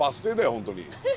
本当に。